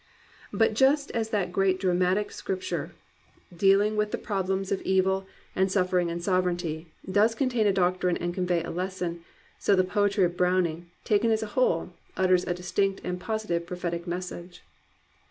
But just as that great dramatic Scripture, dealing with the problems 274 •'GLORY OF THE IMPERFECT'' of evil and suffering and sovereignty, does contain a doctrine and convey a lesson, so the poetry of Browning, taken as a whole, utters a distinct and positive prophetic message.